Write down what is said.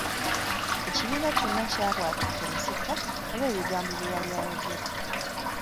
Ekibiina kyonna kyabwatuka enseko olw'ebigambo byeyali ayogera.